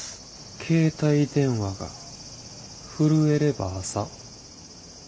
「携帯電話が震えれば朝」。